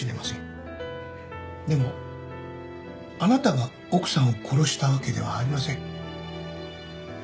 でもあなたが奥さんを殺したわけではありません。